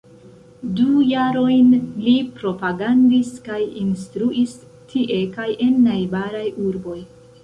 Du jarojn li propagandis kaj instruis tie kaj en najbaraj urboj.